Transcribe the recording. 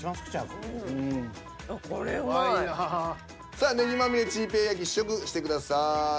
さあ葱まみれチー平焼き試食してください。